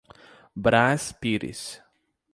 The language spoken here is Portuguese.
Brás Pires